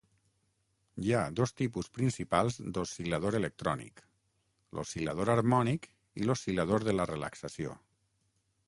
Hi ha dos tipus principals d'oscil·lador electrònic: l'oscil·lador harmònic i l'oscil·lador de la relaxació.